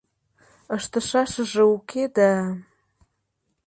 Ыштышашыже уке да...